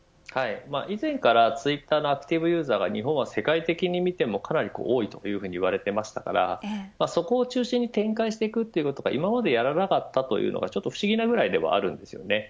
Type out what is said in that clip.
以前からツイッターのアクティブユーザーが日本は世界的に見てもかなり多いと言われていましたからそこを中心に展開していくということを今までやらなかったのが不思議なぐらいではあるんです。